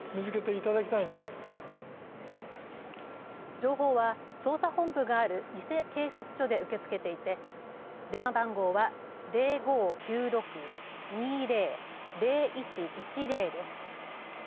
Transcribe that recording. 情報は捜査本部がある伊勢警察署で受け付けていて電話番号は０５９６‐２０‐０１１０です。